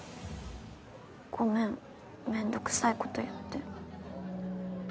ごめんめんどくさいこと言って。